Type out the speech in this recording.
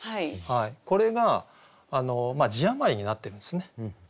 これが字余りになってるんですね。